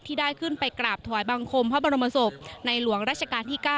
ที่ได้ขึ้นไปกราบถวายบังคมพระบรมศพในหลวงราชการที่๙